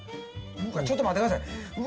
ちょっと待ってくださいうわ